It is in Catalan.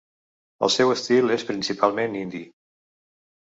El seu estil és principalment indie.